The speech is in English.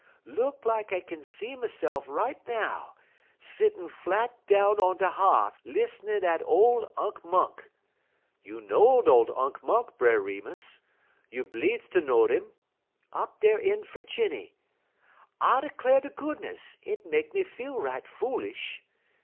Look like I kin see myse'f right now, settin' flat down on de h'ath lis'nin' at ole Unk Monk. You know'd ole Unk Monk, Brer Remus. You bleeze ter know'd 'im. Up dar in Ferginny. I 'clar' ter goodness, it make me feel right foolish.